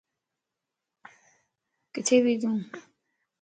ڪٿي وي تون